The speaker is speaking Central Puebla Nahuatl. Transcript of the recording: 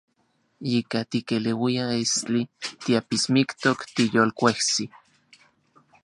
Yika tikeleuia estli, tiapismiktok, tiyolkuejsi.